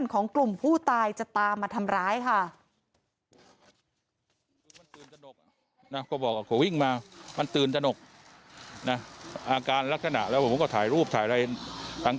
ก็มันจับวิ่งมาราวก็พูดวิ่งแล้วทีนี้ก็พูดวิ่งแต่ว่าพูดวิ่งก็ให้วิ่ง